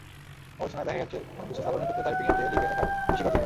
গবেষণায় দেখা গেছে, কোনো কিছু স্মরণের ক্ষেত্রে টাইপিংয়ের চেয়ে লিখে রাখাই বেশি কার্যকর।